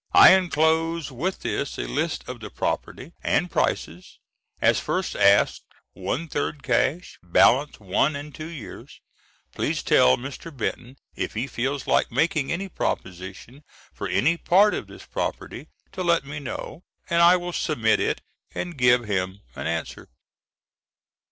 I enclose with this a list of the property, and prices, as first asked, one third cash, balance one and two years. Please tell Mr. Benton if he feels like making any proposition for any part of this property to let me know, and I will submit it and give him an answer.